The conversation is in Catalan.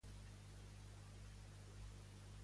Què va demanar a Apol·lo quan va morir Sarpèdon?